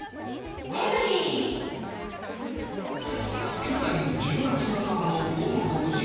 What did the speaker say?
去年１０月半ばの午後６時。